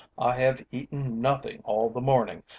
"I have eaten nothing all the morning.